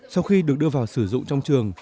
sau khi được đưa vào sử dụng trong trường